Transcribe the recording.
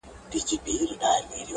o زور چي قدم کېږدي، هلته لېږدي٫